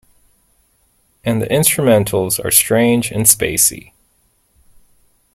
And the instrumentals are strange and spacey.